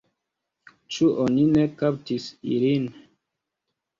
Ĉu oni ne kaptis ilin?